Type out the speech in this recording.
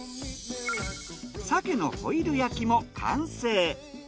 鮭のホイル焼きも完成。